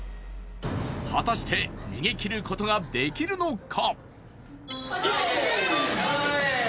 果たして逃げ切ることはできるのか？